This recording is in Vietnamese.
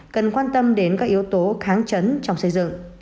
cần quan tâm đến các yếu tố kháng chấn trong xây dựng